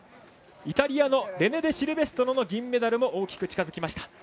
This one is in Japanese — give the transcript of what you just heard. イタリアのレネ・デシルベストロの銀メダルも大きく近づきました。